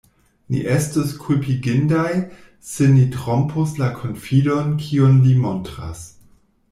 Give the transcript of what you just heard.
Ni estus kulpigindaj, se ni trompus la konfidon, kiun li montras.